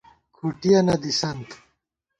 کھُٹِیَنہ دِسَنت